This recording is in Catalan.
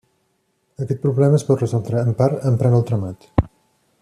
Aquest problema es pot resoldre, en part, emprant el tramat.